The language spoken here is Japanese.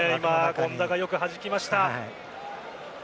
権田がよくはじきました。